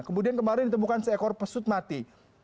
kemudian kemarin ditemukan seekor pesut mati